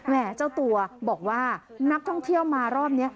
เจ้าตัวบอกว่านักท่องเที่ยวมารอบนี้